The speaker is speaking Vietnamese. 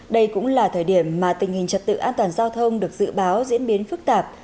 đây cũng là thời điểm mà tình hình trật tự an toàn giao thông được dự báo diễn biến phức tạp